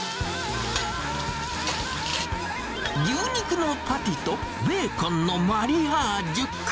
牛肉のパティとベーコンのマリアージュ。